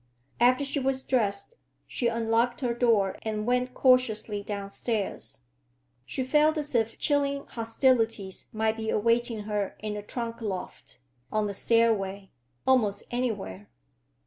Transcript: After she was dressed she unlocked her door and went cautiously downstairs. She felt as if chilling hostilities might be awaiting her in the trunk loft, on the stairway, almost anywhere.